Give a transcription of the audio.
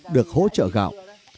được hỗ trợ gạo